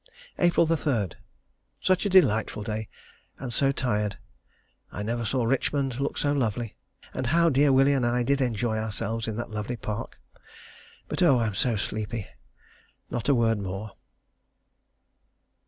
April 3. Such a delightful day and so tired. I never saw Richmond look so lovely, and how dear Willie and I did enjoy ourselves in that lovely park. But oh! I am so sleepy. Not a word more.